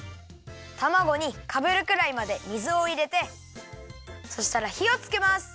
たまごにかぶるくらいまで水をいれてそしたらひをつけます。